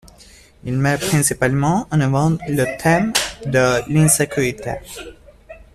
Il met principalement en avant le thème de l'insécurité.